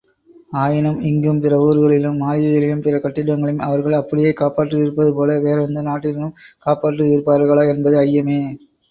ஆயினும் இங்கும் பிறவூர்களிலும் மாளிகைகளையும் பிற கட்டிடங்களையும அவர்கள் அப்படியே காப்பாற்றியிருப்பதுபோல வேறெந்த நாட்டினரும் காப்பாற்றியிருப்பார்களா என்பது ஐயமே.